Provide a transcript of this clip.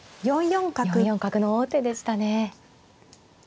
４四角の王手でしたね。